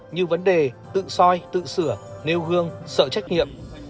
như vấn đề tự soi tự sửa nêu gương sợ trách nhiệm